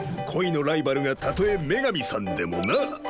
恋のライバルがたとえ女神さんでもな？